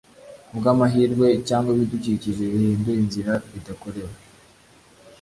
ku bw'amahirwe, cyangwa ibidukikije bihindura inzira, bidakorewe;